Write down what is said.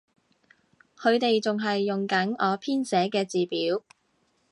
佢哋仲係用緊我編寫嘅字表